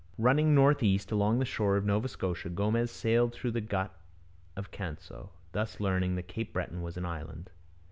Running north east along the shore of Nova Scotia, Gomez sailed through the Gut of Canso, thus learning that Cape Breton was an island.